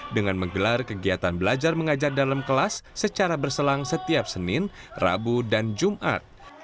dengan menggelar kegiatan belajar mengajar dalam kelas secara berselang setiap senin rabu dan jumat